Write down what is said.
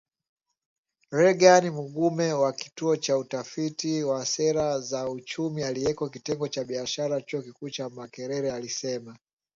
Reagan Mugume wa Kituo cha Utafiti wa Sera za Uchumi, aliyeko Kitengo cha Biashara Chuo Kikuu cha Makerere alisema